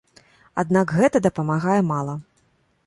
Аднак, гэта дапамагае мала.